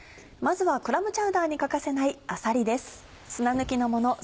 まずはクラムチャウダーに欠かせないあさりです。